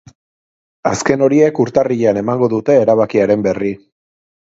Azken horiek urtarrilean emango dute erabakiaren berri.